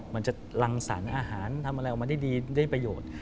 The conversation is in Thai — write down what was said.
มันจะรังสรรค์อาหารทำอะไรออกมาได้ดีได้ประโยชน์